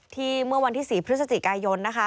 ที่เมื่อวันที่๔พฤศจิกายน